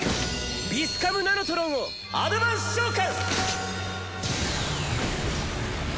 ヴィスカム・ナノトロンをアドバンス召喚！